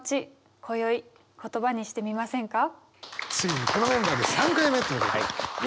ついにこのメンバーで３回目ということで。